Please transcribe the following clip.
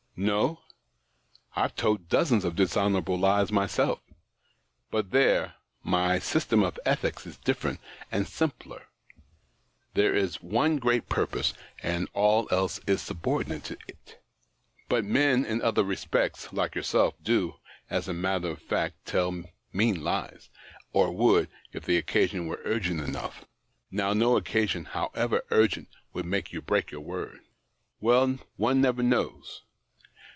" No ? I've told dozens of dishonourable lies myself. But there, my system of ethics is different and simpler : there is one great purpose, and all else is subordinate to it. But men, in other respects, like yourself, do, as a matter of fact, tell mean lies, or would, if the occasion were ur2;ent enouQ h. Now, no occa sion, however urgent, would make you break your word." *' Well, one never knows."